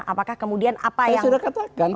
apakah kemudian apa yang